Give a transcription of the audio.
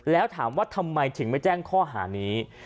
แล้วถามว่าทำไมถึงไม่แจ้งข้อหานี้